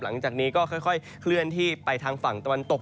หลังจากนี้ก็ค่อยเคลื่อนที่ไปทางฝั่งตะวันตก